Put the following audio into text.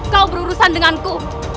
kau berurusan denganku